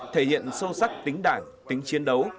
thể hiện sâu sắc tính đảng tính chiến đấu